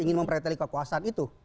ingin memperhatikan kekuasaan itu